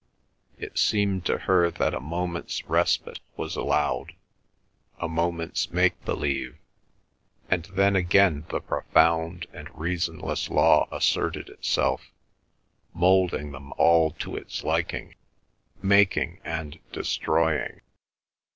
It seemed to her that a moment's respite was allowed, a moment's make believe, and then again the profound and reasonless law asserted itself, moulding them all to its liking, making and destroying.